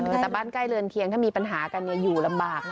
แต่บ้านใกล้เรือนเคียงถ้ามีปัญหากันอยู่ลำบาก